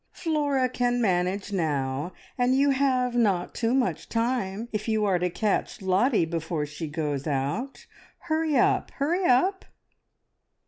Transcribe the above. "Flora can manage now, and you have not too much time, if you are to catch Lottie before she goes out. Hurry up! Hurry up!"